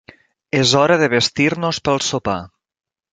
És hora de vestir-nos pel sopar.